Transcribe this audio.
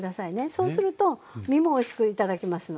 そうすると身もおいしく頂けますので。